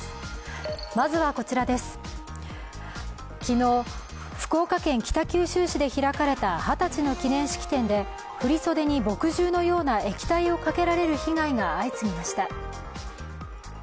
昨日、福岡県北九州市で開かれた二十歳の記念式典で振り袖に墨汁のような液体をかけられる被害が相次ぎました。